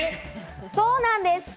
そうなんです！